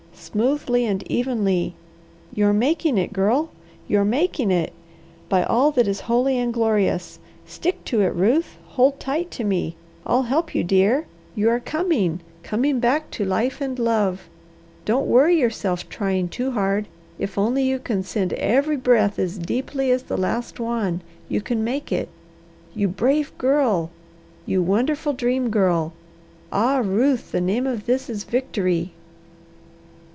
Smoothly and evenly! You are making it, Girl! You are making it! By all that is holy and glorious! Stick to it, Ruth, hold tight to me! I'll help you, dear! You are coming, coming back to life and love. Don't worry yourself trying too hard, if only you can send every breath as deeply as the last one, you can make it. You brave girl! You wonderful Dream Girl! Ah, Ruth, the name of this is victory!"